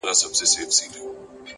د فکر ژورتیا د انسان لوړوالی ښيي